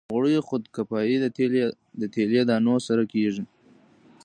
د غوړیو خودکفايي د تیلي دانو سره کیږي.